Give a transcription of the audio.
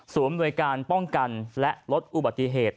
อำนวยการป้องกันและลดอุบัติเหตุ